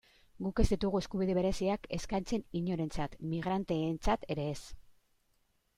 Guk ez ditugu eskubide bereziak eskatzen inorentzat, migranteentzat ere ez.